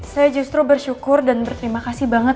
saya justru bersyukur dan berterima kasih banget